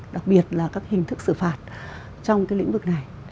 đặc biệt là các hình thức xử phạt trong cái lĩnh vực này